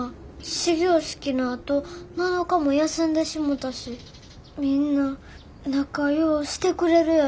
始業式のあと７日も休んでしもたしみんな仲良うしてくれるやろか。